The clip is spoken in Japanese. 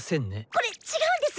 これっちがうんです！